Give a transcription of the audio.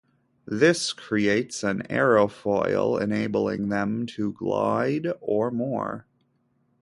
This creates an aerofoil enabling them to glide or more.